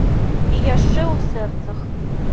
І яшчэ ў сэрцах.